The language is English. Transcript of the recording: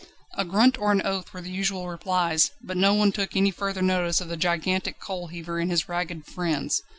A grunt or an oath were the usual replies, but no one took any further notice of the gigantic coal heaver and his ragged friends.